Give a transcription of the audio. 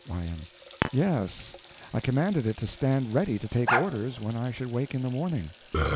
Y.M. Yes, I commanded it to stand ready to take orders when I should wake in the morning.